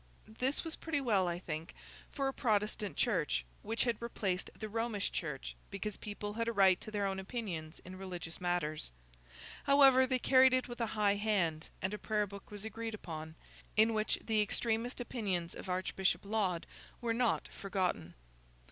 This was pretty well, I think, for a Protestant Church, which had displaced the Romish Church because people had a right to their own opinions in religious matters. However, they carried it with a high hand, and a prayer book was agreed upon, in which the extremest opinions of Archbishop Laud were not forgotten.